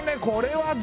これは。